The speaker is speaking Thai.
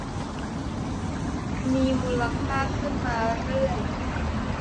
มีมูลค่าขึ้นมาเรื่อย